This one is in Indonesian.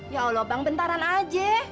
ya allah bang bentaran aja